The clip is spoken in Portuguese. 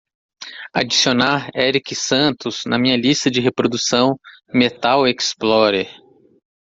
adicionar erik santos na minha lista de reprodução Metal Xplorer